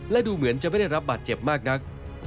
และดูเหมือนจะไม่ได้รับบาดเจ็บมากนัก